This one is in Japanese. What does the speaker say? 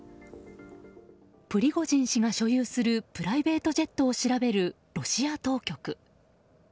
プリゴジン氏が所有するプライベートジェットを調べるロシア当局。